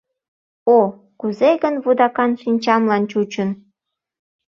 О, кузе гын вудакан шинчамлан чучын